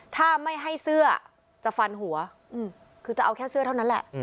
ถ้าไม่ให้เสื้อจะฟันหัวคือจะเอาแค่เสื้อเท่านั้นแหละ